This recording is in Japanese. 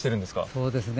そうですね。